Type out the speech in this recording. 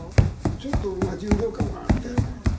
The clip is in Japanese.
ちょっと重量感はあったよね。